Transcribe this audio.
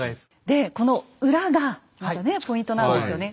でこの裏がまたねポイントなんですよね。